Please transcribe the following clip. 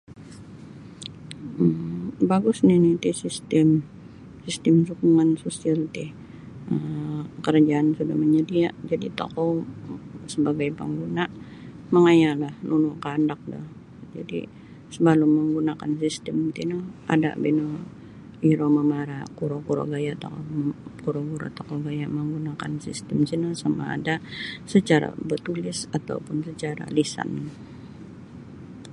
um Bagus nini ti sistem sistem sukungan sosial ti um karajaan suda manyadia jadi tokou sabagai pangguna mangayala nunu kandak do jadi sabalum manggunakan sistem tino ada ba ino iro mamara kuro-kuro gaya tokou manggunakan sistem samaada secara bertulis atau secara lisan.